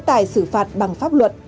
chế tài xử phạt bằng pháp luật